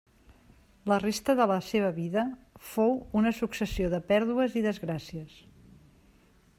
La resta de la seva vida fou una successió de pèrdues i desgràcies.